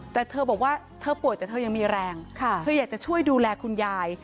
แต่เธอบอกว่าเธอป่วยแต่เธอยังมีแรงเธออยากจะช่วยดูแลคุณยาย